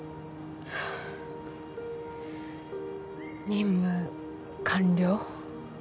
任務完了？